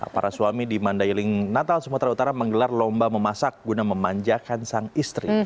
para suami di mandailing natal sumatera utara menggelar lomba memasak guna memanjakan sang istri